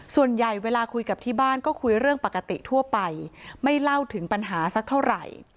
ส่วนใหญ่เวลาคุยกับที่บ้านก็คุยเรื่องปกติทั่วไปไม่เล่าถึงปัญหาสักเท่าไหร่